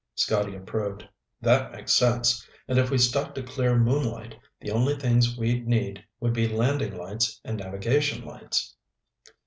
Scotty approved. "That makes sense. And if we stuck to clear moonlight, the only things we'd need would be landing lights and navigation lights."